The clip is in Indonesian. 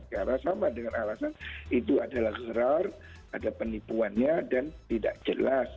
karena sama dengan alasan itu adalah gerar ada penipuannya dan tidak jelas